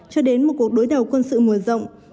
cho đến một cuộc đối đầu quân sự mùa rộng